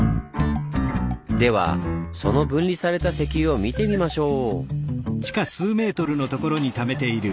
ではその分離された石油を見てみましょう！